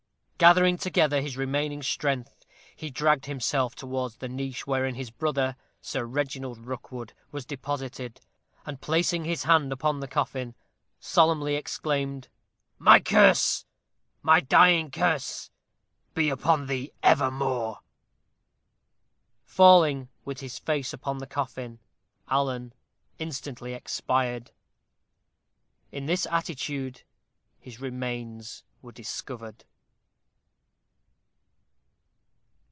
Gathering together his remaining strength, he dragged himself towards the niche wherein his brother, Sir Reginald Rookwood, was deposited, and placing his hand upon the coffin, solemnly exclaimed, "My curse my dying curse be upon thee evermore!" Falling with his face upon the coffin, Alan instantly expired. In this attitude his remains were discovered.